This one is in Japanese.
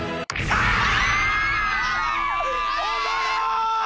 ああ！